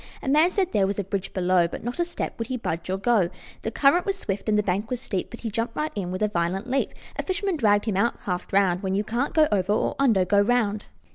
A man said there was a bridge below, But not a step would he budge or go. The current was swift and the bank was steep, But he jumped right in with a violent leap. A fisherman dragged him out half drowned: "When you can't go over or under, go round."